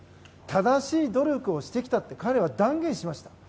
正しい努力をしてきたって彼は断言しました。